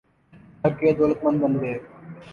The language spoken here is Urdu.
کر کے دولتمند بن گئے